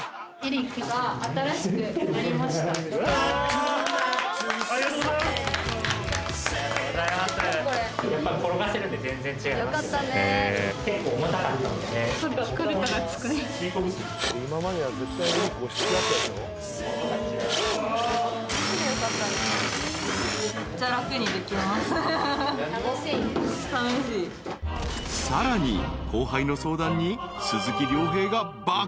［さらに後輩の相談に鈴木亮平が爆アドバイス］